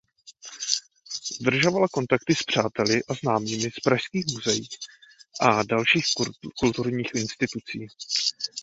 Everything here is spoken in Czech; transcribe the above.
Udržovala kontakty s přáteli a známými z pražských muzeí a dalších kulturních institucí.